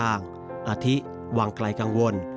อาธิวังไกลกรรม